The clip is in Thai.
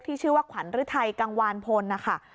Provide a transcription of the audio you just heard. ชื่อว่าขวัญฤทัยกังวานพลนะคะ